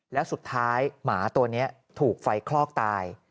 แล้วสุดท้ายหมาตัวนี้ถูกไฟคลอกตาย